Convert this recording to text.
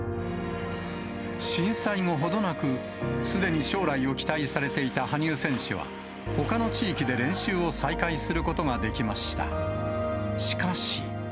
震災後程なく、すでに将来を期待されていた羽生選手は、ほかの地域で練習を再開することができました。